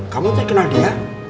kamu kenal dia